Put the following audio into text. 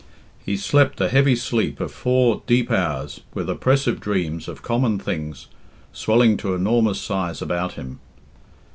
He slept a heavy sleep of four deep hours, with oppressive dreams of common things swelling to enormous size about him.